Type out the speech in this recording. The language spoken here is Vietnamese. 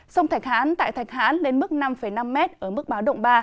sông thạch hãn tại thạch hãn lên mức năm năm m ở mức báo động ba